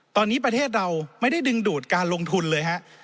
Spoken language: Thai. ตอนนี้ประเทศเราไม่ได้ดึงดูดการลงทุนเลยฮะ